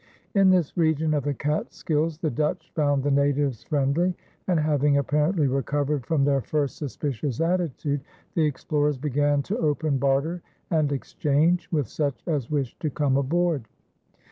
In this region of the Catskills the Dutch found the natives friendly, and, having apparently recovered from their first suspicious attitude, the explorers began to open barter and exchange with such as wished to come aboard.